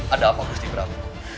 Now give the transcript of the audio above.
ada apa gusti prabu